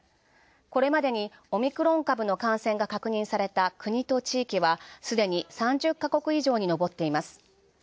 これまでにオミクロン株の確認された国と地域はすでに３０カ国以上にのぼっています。